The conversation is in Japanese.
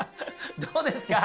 どうですか？